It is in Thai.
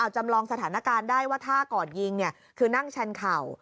จำลองสถานการณ์ได้ว่าท่าก่อนยิงคือนั่งแชนเข่า